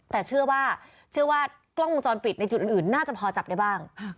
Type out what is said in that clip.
แต่เชื่อว่ากล้องมุมจรปิดในจุดอื่นน่าจะพอจับได้บ้าง